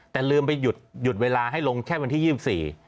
แต่ลืมไปหยุดเวลาให้ลงแค่วันที่๒๔